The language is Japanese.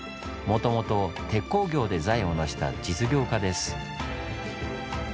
もともと鉄鋼業で財を成した実業家です。